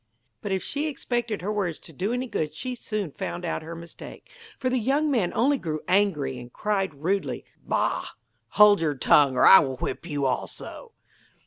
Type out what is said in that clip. But if she expected her words to do any good she soon found out her mistake, for the young man only grew angry and cried rudely: 'Bah! hold your tongue or I will whip you also.'